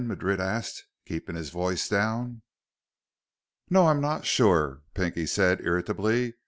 Madrid asked, keeping his voice down. "No, I'm not sure," Pinky said irritably.